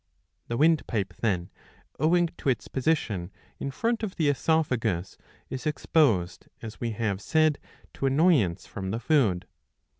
The windpipe then, owing to its position in front of the oesophagus, is exposed, as we have said, to annoyance from the food.